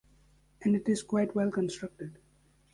And it is quite well constructed.